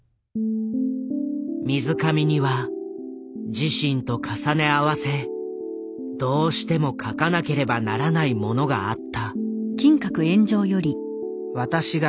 水上には自身と重ね合わせどうしても書かなければならないものがあった。